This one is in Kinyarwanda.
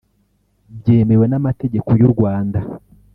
byemewe n’amategeko y’u Rwanda